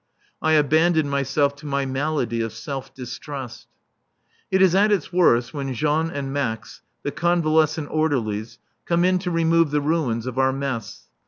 I abandon myself to my malady of self distrust. It is at its worst when Jean and Max, the convalescent orderlies, come in to remove the ruins of our mess.